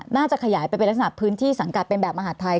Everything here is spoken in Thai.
น่าจะขยายเป็นพื้นที่สำกัดเป็นแบบมหาดไทย